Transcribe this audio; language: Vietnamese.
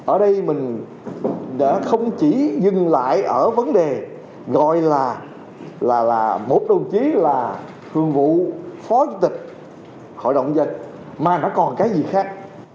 ở đây mình không chỉ dừng lại ở vấn đề gọi là một đồng chí là thường vụ phó chủ tịch hội đồng dân mà nó còn cái gì khác